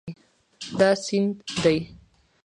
دا سیند دی